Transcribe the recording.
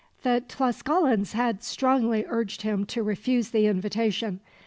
The Tlascalans had strongly urged him to refuse the invitation.